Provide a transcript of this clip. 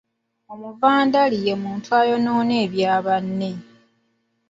Omuvandali ye muntu ayonoona ebya banne.